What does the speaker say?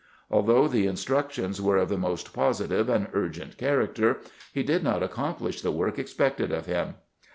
Although the instructions 108 CAMPAIGNING WITH GRANT were of tlie most positive and urgent character, he did not accomplish the work expected of him.